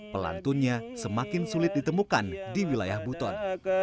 pelantunnya semakin sulit ditemukan di wilayah buton